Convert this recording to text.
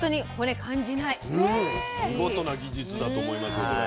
見事な技術だと思いますよこれ。